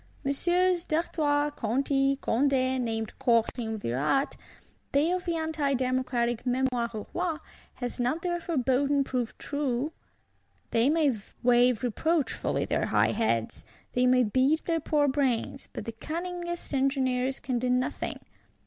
_ Messeigneurs d'Artois, Conti, Condé (named Court Triumvirate), they of the anti democratic Mémoire au Roi, has not their foreboding proved true? They may wave reproachfully their high heads; they may beat their poor brains; but the cunningest engineers can do nothing.